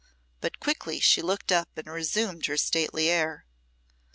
But quickly she looked up and resumed her stately air.